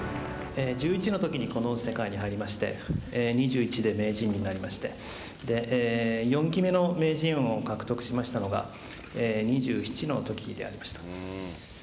１１の時にこの世界に入りまして２１で名人になりまして４期目の名人を獲得しましたのが２７の時でありました。